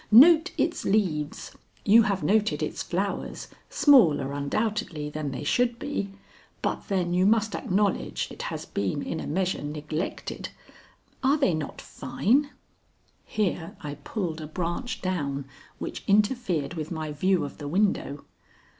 Note its leaves. You have noted its flowers, smaller undoubtedly than they should be but then you must acknowledge it has been in a measure neglected are they not fine?" Here I pulled a branch down which interfered with my view of the window.